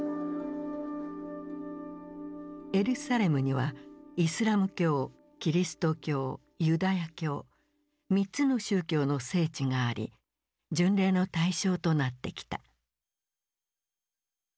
エルサレムにはイスラム教キリスト教ユダヤ教３つの宗教の聖地があり巡礼の対象となってきた。